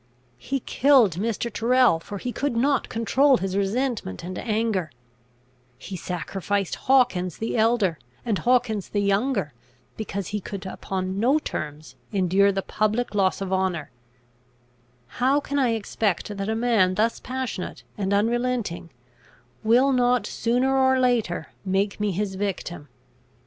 "He killed Mr. Tyrrel, for he could not control his resentment and anger: he sacrificed Hawkins the elder and Hawkins the younger, because he could upon no terms endure the public loss of honour: how can I expect that a man thus passionate and unrelenting will not sooner or later make me his victim?"